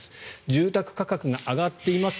住宅価格が上がっています。